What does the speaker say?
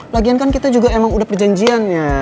lagian kan kita juga emang udah perjanjiannya